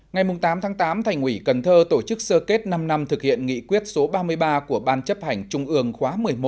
ngày tám tháng tám thành ủy cần thơ tổ chức sơ kết năm năm thực hiện nghị quyết số ba mươi ba của ban chấp hành trung ương khóa một mươi một